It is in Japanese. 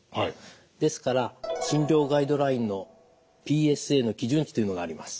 ですから診療ガイドラインのＰＳＡの基準値というのがあります。